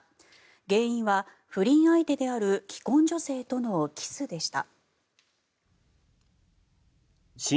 原因は不倫相手である既婚女性とのキスでした。